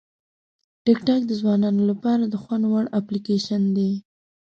ټیکټاک د ځوانانو لپاره د خوند وړ اپلیکیشن دی.